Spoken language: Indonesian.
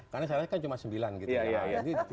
karena saya kan cuma sembilan gitu